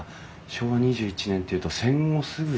昭和２１年っていうと戦後すぐ。